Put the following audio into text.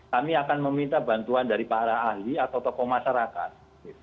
kami akan meminta bantuan dari para ahli atau tokoh masyarakat